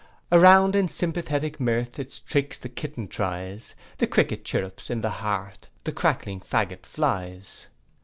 Around in sympathetic mirth Its tricks the kitten tries, The cricket chirrups in the hearth; The crackling faggot flies.